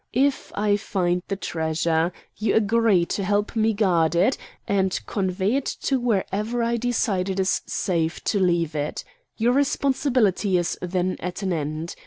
If I find the treasure, you agree, to help me guard it, and convey it to wherever I decide it is safe to leave it. Your responsibility is then at an end.